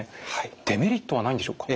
デメリットはないんでしょうか。